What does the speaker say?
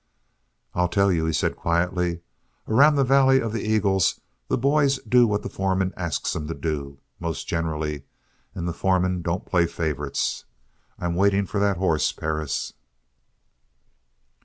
"I'll tell you," he said quietly. "Around the Valley of the Eagles, the boys do what the foreman asks 'em to do, most generally. And the foreman don't play favorites. I'm waiting for that hoss, Perris."